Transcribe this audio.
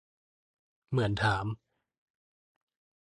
เหมือนถาม